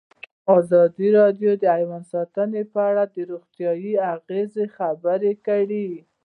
ازادي راډیو د حیوان ساتنه په اړه د روغتیایي اغېزو خبره کړې.